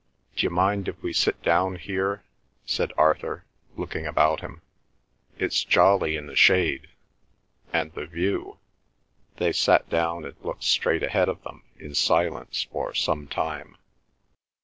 "D'you mind if we sit down here?" said Arthur, looking about him. "It's jolly in the shade—and the view—" They sat down, and looked straight ahead of them in silence for some time.